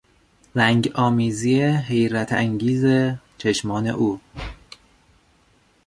رنگ آمیزی حیرت انگیز چشمان او